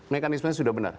mekanismenya sudah benar